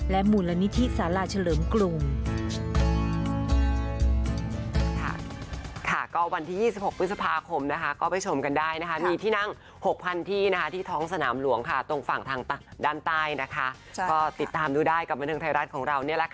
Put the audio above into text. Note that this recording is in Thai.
และหมู่ละนิทิสาราเฉลิมกรุง